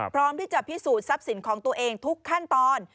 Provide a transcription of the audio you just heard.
พร้อมที่จะพิสูจน์ทรัพย์สินของตัวเองทุกขั้นตอน